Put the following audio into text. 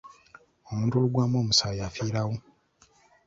Omuntu oluggwamu omusaayi afiirawo.